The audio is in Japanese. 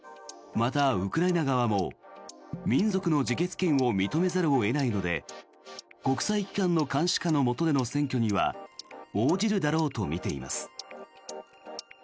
また、ウクライナ側も民族の自決権を認めざるを得ないので国際機関の監視下のもとでの選挙には応じるだろうと見ています。